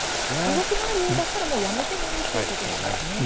動き回るようだったらもうやめてもいいということなんですね。